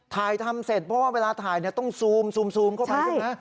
ถ่ายทำเสร็จเพราะว่าเวลาถ่ายต้องซูมเข้ามานิดนึงนะ